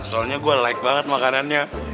soalnya gue like banget makanannya